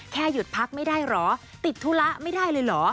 หยุดพักไม่ได้เหรอติดธุระไม่ได้เลยเหรอ